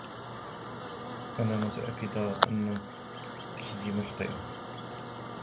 أنا متأكدة أنكِ مخطئة.